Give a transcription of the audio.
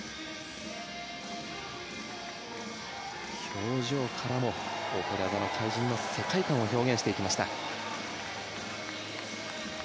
表情からも「オペラ座の怪人」の世界観を表現していきました。